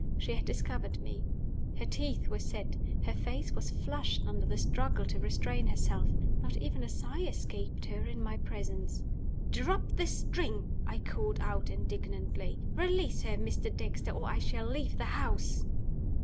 She had discovered me. Her teeth were set; her face was flushed under the struggle to restrain herself. Not even a sigh escaped her in my presence. "Drop the string!" I called out, indignantly "Release her, Mr. Dexter, or I shall leave the house."